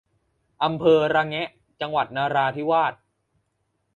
อำเภอระแงะ จังหวัดนราธิวาส